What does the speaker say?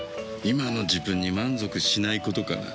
今の自分に満足しないことかな。